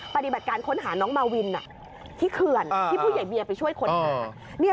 ปฏิบัติการค้นหาน้องมาวินที่เขื่อนที่ผู้ใหญ่เบียร์ไปช่วยค้นหา